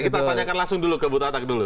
kita tanyakan langsung dulu ke buta atak dulu